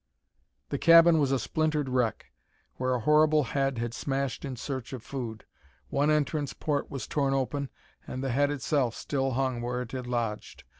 The cabin was a splintered wreck, where a horrible head had smashed in search of food. One entrance port was torn open, and the head itself still hung where it had lodged.